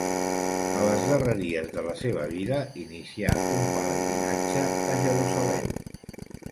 A les darreries de la seva vida inicià un pelegrinatge a Jerusalem.